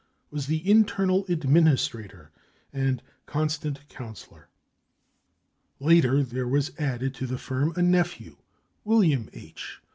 was the internal administrator and constant counselor. Later, there was added to the firm a nephew, William H.